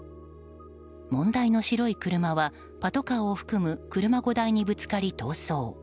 問題の白い車は、パトカーを含む車５台にぶつかり逃走。